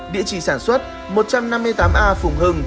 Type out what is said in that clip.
địa chỉ sản xuất một trăm năm mươi tám a phùng hưng